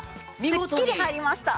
すっきり入りました。